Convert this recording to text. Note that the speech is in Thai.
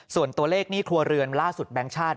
ส่วนตัวเลขหนี้ครัวเรือนล่าสุดแบงค์ชาติ